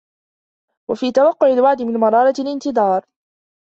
وَفِي تَوَقُّعِ الْوَعْدِ مِنْ مَرَارَةِ الِانْتِظَارِ